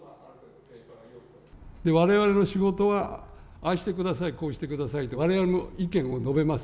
われわれの仕事は、ああしてください、こうしてくださいとわれわれも意見を述べます。